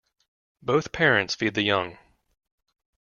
Both parents feed the young.